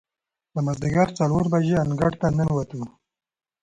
د مازدیګر څلور بجې انګړ ته ننوتو.